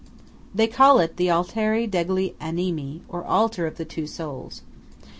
They call it the Altare degli Animi, or Altar of the Souls.